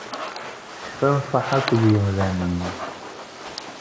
Tekfa nnṣaḥa seg yimdanen.